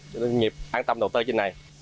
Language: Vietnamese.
cho doanh nghiệp an tâm đầu tư trên này